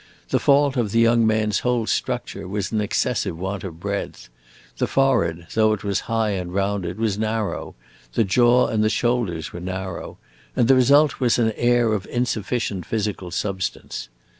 The fault of the young man's whole structure was an excessive want of breadth. The forehead, though it was high and rounded, was narrow; the jaw and the shoulders were narrow; and the result was an air of insufficient physical substance.